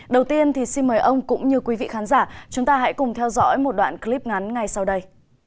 đầu tiên thì xin mời ông cũng như quý vị khán giả chúng ta hãy cùng theo dõi một đoạn clip ngắn ngay sau đây